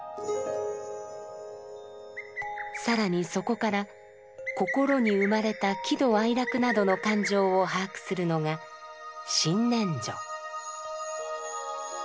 更にそこから心に生まれた喜怒哀楽などの感情を把握するのが「心念処」。